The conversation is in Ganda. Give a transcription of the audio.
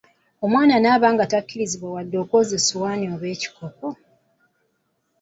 Omwana n'aba nga takkirizibwa wadde okwoza essowaani oba ekikopo!